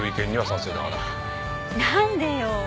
なんでよ？